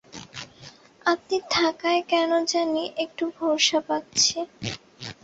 আপনি থাকায় কেন জানি একটু ভরসা পাচ্ছি।